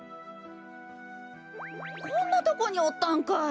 こんなとこにおったんかい！